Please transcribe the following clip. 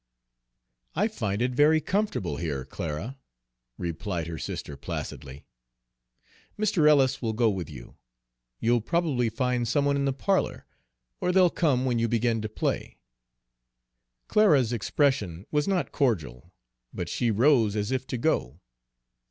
"I find it very comfortable here, Clara," replied her sister placidly. "Mr. Ellis will go with you. You'll probably find some one in the parlor, or they'll come when you begin to play." Clara's expression was not cordial, but she rose as if to go.